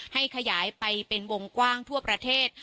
ให้ขยายไปเป็นวงกว้างทั่วประเทศ